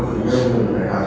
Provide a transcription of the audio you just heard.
các nơi chảy